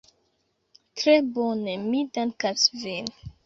Tre bone, mi dankas vin.